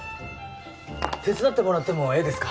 手伝ってもらってもええですか？